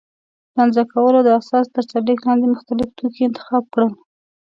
د اندازه کولو د اساس تر سرلیک لاندې مختلف توکي انتخاب کړل.